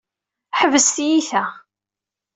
Ḥbes tiyyta!